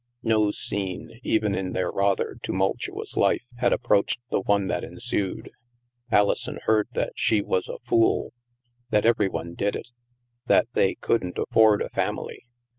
No scene, even in their rather tumultuous life, had approached the one that ensued. Alison heard that she was a fool, that " every one did it," that they " couldn't afford a family."